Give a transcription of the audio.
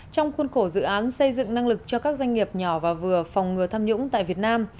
trong khuôn khổ dự án xây dựng năng lực cho các doanh nghiệp nhỏ và vừa phòng ngừa tham nhũng tại việt nam